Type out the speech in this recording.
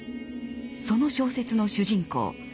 その小説の主人公